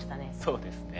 そうですね。